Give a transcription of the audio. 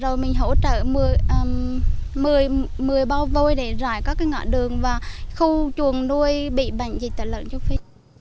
rồi mình hỗ trợ một mươi bao vôi để rải các ngã đường và khu chuồng nuôi bị bệnh dịch tà lợn cho phí